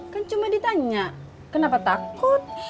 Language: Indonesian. kan cuma ditanya kenapa takut